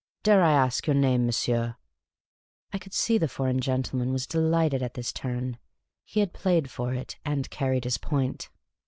Dare I ask your name, monsieur ?'' I could see the foreign gentleman was delighted at this turn. He had played for it, and carried his point.